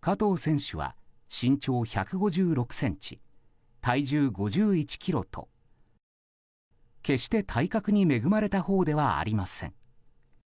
加藤選手は身長１５６ｃｍ、体重５１ｋｇと決して体格に恵まれたほうではありません。